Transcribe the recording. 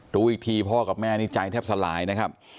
รู้อีกทีพ่อกับแม่นี่ใจแทบสลายนะครับ